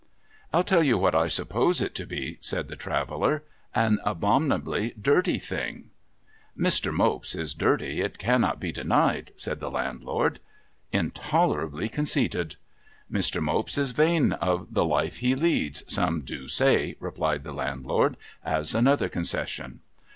' I'll tell you what I suppose it to he,' said the Traveller. ' An abominably dirty thing.' ' Mr. Mopes is dirty, it cannot be denied,' said the Landlord. ' Intolerably conceited.' ' Mr. Mopes is vain of the life he leads, some do say,' re[)lied the Landlord, as another concession.